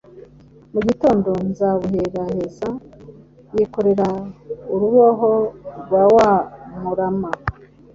mu gitondo nzabuheraheza yikorera uruboho rwa wa murama,